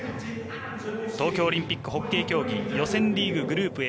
東京オリンピックホッケー競技予選競技グループＡ